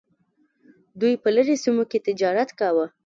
دوی په لرې سیمو کې تجارت کاوه